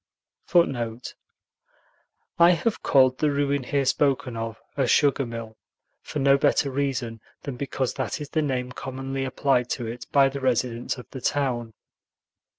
[Footnote 1: I have called the ruin here spoken of a "sugar mill" for no better reason than because that is the name commonly applied to it by the residents of the town.